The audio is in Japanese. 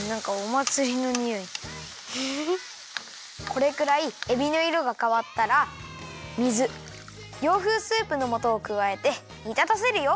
これくらいえびのいろがかわったら水洋風スープのもとをくわえてにたたせるよ。